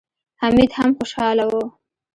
حميد هم خوشاله و.